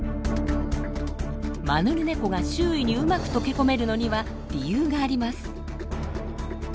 マヌルネコが周囲にうまく溶け込めるのには理由があります。